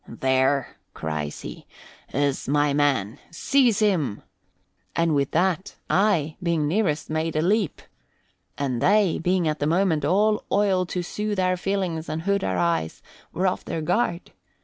'There,' cries he, 'is my man! Seize him!' And with that I, being nearest, made a leap. And they, being at the moment all oil to soothe our feelings and hood our eyes, were off their guard.